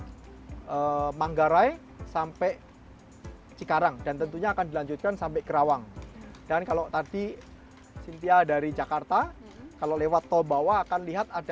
ada elevated toll dari jakarta sampai karawang dan tentunya akan dilanjutkan sampai karawang dan kalau tadi cynthia dari jakarta kalau lewat tol bawah akan lihat ada